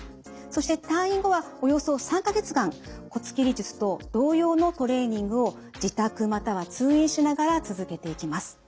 そして退院後はおよそ３か月間骨切り術と同様のトレーニングを自宅または通院しながら続けていきます。